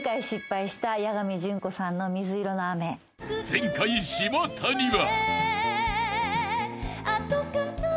［前回島谷は］